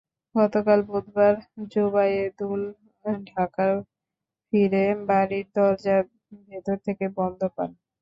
গতকাল বুধবার জুবায়েদুল ঢাকায় ফিরে বাড়ির দরজা ভেতর থেকে বন্ধ পান।